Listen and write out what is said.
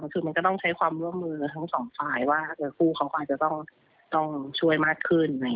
คือมันก็ต้องใช้ความร่วมมือทั้งสองฝ่ายว่าคู่เขาก็อาจจะต้องช่วยมากขึ้น